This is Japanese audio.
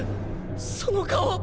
その顔！